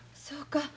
そうか。